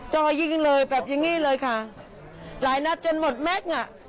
จ่อยิงเลยแบบอย่างงี้เลยค่ะหลายนัดจนหมดแม็กซ์อ่ะ